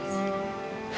ya pasti seneng sih